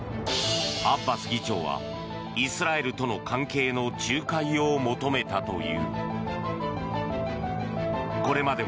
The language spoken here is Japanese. アッバス議長はイスラエルとの関係の仲介を求めたという。